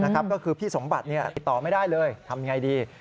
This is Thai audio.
ก็คือพี่สมบัติติดต่อไม่ได้เลยทำอย่างไรดี